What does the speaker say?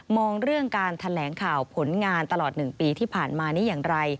เรื่องการแถลงข่าวผลงานตลอด๑ปีที่ผ่านมานี้อย่างไร